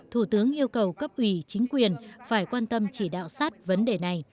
thủ tướng yêu cầu cấp ủy chính quyền phải quan tâm chỉ đạo sát vấn đề này